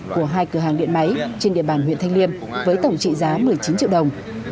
của hai cửa hàng điện máy trên địa bàn huyện thanh liêm với tổng trị giá một mươi chín triệu đồng